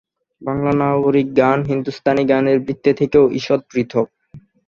বাংলা নাগরিক গান হিন্দুস্তানি গানের বৃত্তে থেকেও ঈষৎ পৃথক।